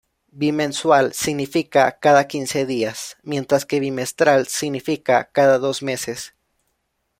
Bimensual significa "cada quince días", mientras que bimestral significa "cada dos meses".